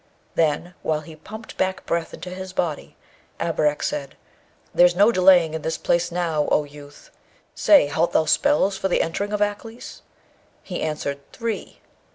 Then, while he pumped back breath into his body, Abarak said, 'There's no delaying in this place now, O youth! Say, halt thou spells for the entering of Aklis?' He answered, 'Three!'